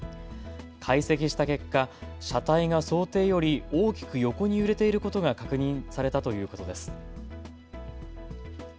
解析した結果、車体が想定より大きく横に揺れていることが確認されたということです。